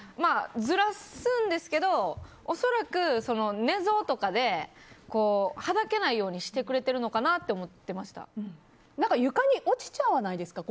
ずらすんですけど恐らく寝相とかではだけないようにしてくれてるのかなって床に落ちちゃわないですか？